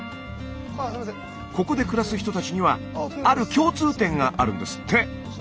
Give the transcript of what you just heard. ここで暮らす人たちにはある共通点があるんですって。